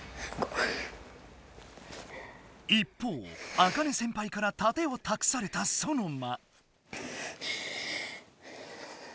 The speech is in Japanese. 一方あかね先輩から盾をたくされたソノマ。